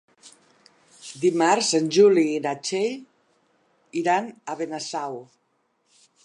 Dimarts en Juli i na Txell iran a Benasau.